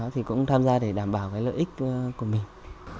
thì cũng tham gia để đảm bảo cái lợi ích của mình